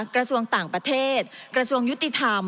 กระทรวงต่างประเทศกระทรวงยุติธรรม